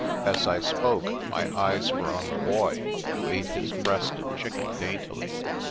As I spoke, my eyes were on the boy, who ate his breast of chicken daintily.